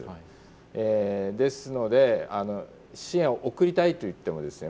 ですので支援を送りたいといってもですね